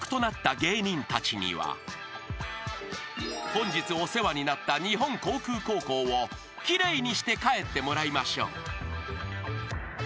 ［本日お世話になった日本航空高校を奇麗にして帰ってもらいましょう］